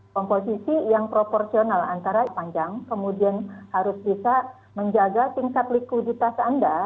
komposisi yang proporsional antara panjang kemudian harus bisa menjaga tingkat likuiditas anda